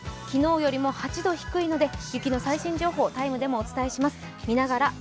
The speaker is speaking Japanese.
昨日よりも８度低いので雪の最新情報、「ＴＩＭＥ，」でもお伝えします。